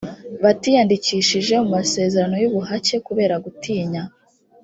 batiyandikishije mu masezerano y ubuhake kubera gutinya